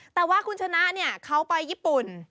แต่ว่าคุณชนะเขาไปญี่ปุ่น